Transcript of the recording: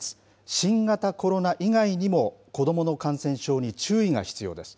新型コロナ以外にも、子どもの感染症に注意が必要です。